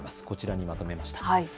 こちらにまとめました。